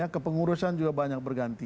kepengurusan juga banyak berganti